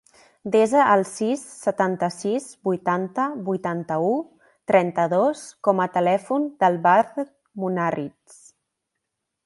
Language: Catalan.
Desa el sis, setanta-sis, vuitanta, vuitanta-u, trenta-dos com a telèfon del Badr Munarriz.